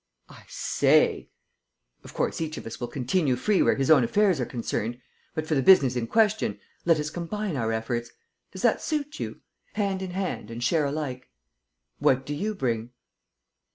"I say!" "Of course, each of us will continue free where his own affairs are concerned. But, for the business in question, let us combine our efforts. Does that suit you? Hand in hand and share alike." "What do you bring?"